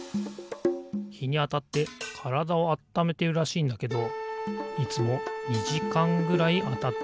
ひにあたってからだをあっためてるらしいんだけどいつも２じかんぐらいあたってんだよなあ。